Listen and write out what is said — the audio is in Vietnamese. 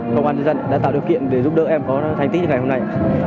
công an nhân dân đã tạo điều kiện để giúp đỡ em có thành tích như ngày hôm nay